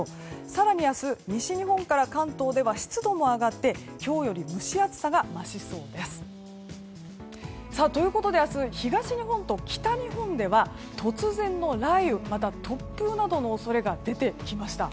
更に明日、西日本から関東では湿度も上がって、今日より蒸し暑さが増しそうです。ということで明日東日本と北日本では突然の雷雨、または突風などの恐れが出てきました。